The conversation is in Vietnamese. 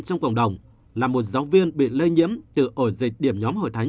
trong cộng đồng là một giáo viên bị lây nhiễm từ ổ dịch điểm nhóm hội thánh